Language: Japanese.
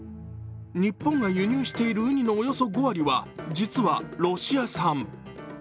日本が輸入している、うにのおよそ５割が実はロシア産。